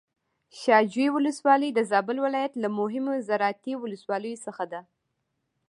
شاه جوی ولسوالي د زابل ولايت له مهمو زراعتي ولسواليو څخه ده.